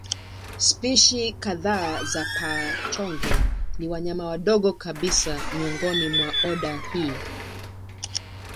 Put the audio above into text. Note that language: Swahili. Spishi kadhaa za paa-chonge ni wanyama wadogo kabisa miongoni mwa oda hii.